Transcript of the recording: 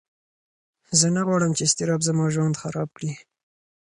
زه نه غواړم چې اضطراب زما ژوند خراب کړي.